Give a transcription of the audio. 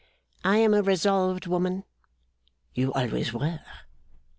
'I am a resolved woman.' 'You always were.